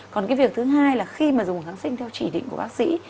còn cái việc thứ hai là khi mà dùng kháng sinh theo chỉ định của bác sĩ